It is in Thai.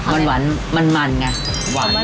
มันหวานมันมันไง